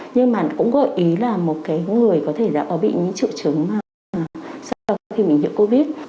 nhưng mà cũng gợi ý là một cái người có thể bị những triệu chứng sau khi mình nhiễm covid